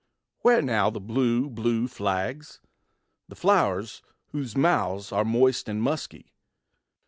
Where now the blue, blue flags? the flow'rs whose mouths Are moist and musky?